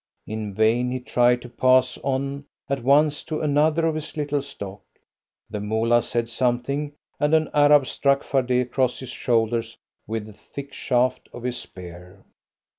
In vain he tried to pass on at once to another of his little stock. The Moolah said something, and an Arab struck Fardet across the shoulders with the thick shaft of his spear.